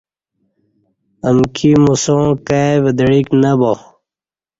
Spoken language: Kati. امکی موساں کائی ودعیک نہ با